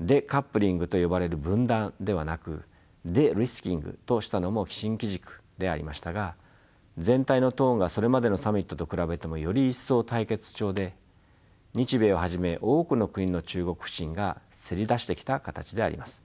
デカップリングと呼ばれる分断ではなくデリスキングとしたのも新機軸でありましたが全体のトーンがそれまでのサミットと比べてもより一層対決調で日米をはじめ多くの国の中国不信がせり出してきた形であります。